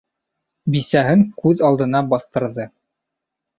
Бисәһен күҙ алдына баҫтырҙы.